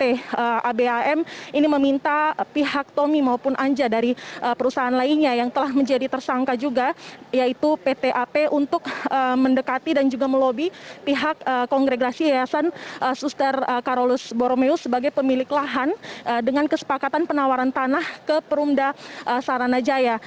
dan juga abam ini meminta pihak tomi maupun anja dari perusahaan lainnya yang telah menjadi tersangka juga yaitu pt ap untuk mendekati dan juga melobi pihak kongregasi yayasan suster karolus boromeus sebagai pemilik lahan dengan kesepakatan penawaran tanah ke perumda saranajaya